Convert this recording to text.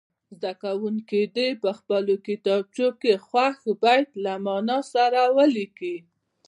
زده کوونکي دې په خپلو کتابچو کې خوښ بیت له معنا سره ولیکي.